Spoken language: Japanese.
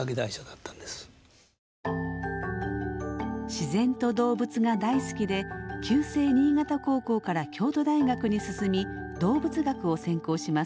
自然と動物が大好きで旧制新潟高校から京都大学に進み動物学を専攻します。